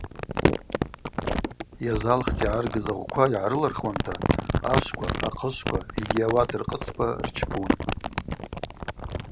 Гӏазалхта йгӏаргыз агъвква йгӏарылырхуанта ашвква, ахъышвква йгьи ауат ркъыцква рчпун.